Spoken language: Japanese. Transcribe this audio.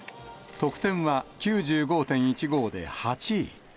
得点は９５．１５で８位。